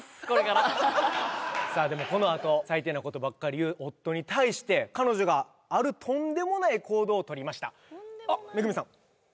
これからさあでもこのあと最低なことばかり言う夫に対して彼女があるとんでもない行動をとりましたあっ恵さん